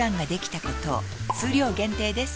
数量限定です